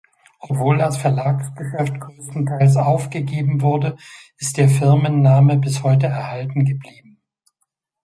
Obwohl das Verlagsgeschäft grösstenteils aufgegeben wurde, ist der Firmenname bis heute erhalten geblieben.